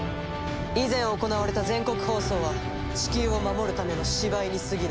以前行われた全国放送はチキューを守るための芝居に過ぎない。